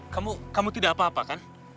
kamu tidak apa apa kan